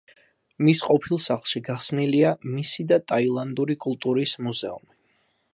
მის ყოფილ სახლში გახსნილია მისი და ტაილანდური კულტურის მუზეუმი.